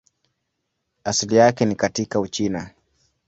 Asili yake ni katika Uchina.